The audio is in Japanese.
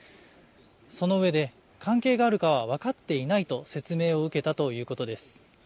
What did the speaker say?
そのうえで関係があるかは分かっていないと説明を受けたということです。